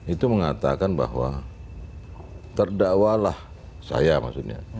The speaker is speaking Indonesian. itu mengatakan bahwa terdakwalah saya maksudnya